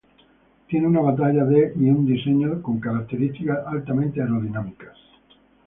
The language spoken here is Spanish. Tiene una batalla de y un diseño con características altamente aerodinámicas.